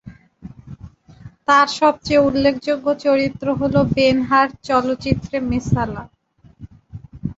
তার সবচেয়ে উল্লেখযোগ্য চরিত্র হল "বেন-হার" চলচ্চিত্রে মেসালা।